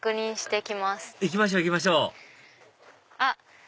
行きましょう行きましょうあっ。